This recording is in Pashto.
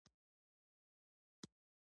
نغري کې یو بل ته اړم دي لرګي